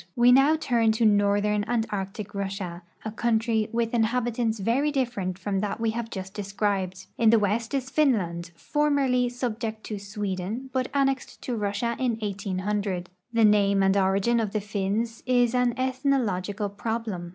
We now turn to northern and Arctic Russia, a country with inhabitants very different from that we have just described. In the west is Finland, formerl}" subject to Sweden, but annexed to Russia in 1800. The name and origin of the Finns is an ethno logical problem.